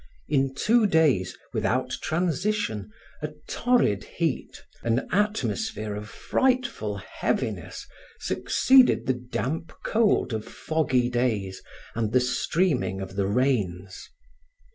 In two days, without transition, a torrid heat, an atmosphere of frightful heaviness, succeeded the damp cold of foggy days and the streaming of the rains.